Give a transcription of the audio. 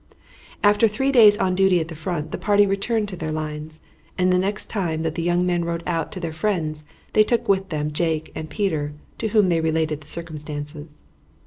After three days on duty at the front, the party returned to their lines, and the next time that the young men rode out to their friends they took with them Jake and Peter, to whom they related the circumstances.